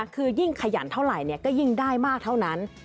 คือยิ่งขยันเท่าไหร่ก็ยิ่งได้มากเท่านั้น